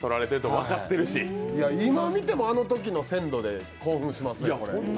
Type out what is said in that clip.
見たみてもあのときの鮮度で興奮しますね。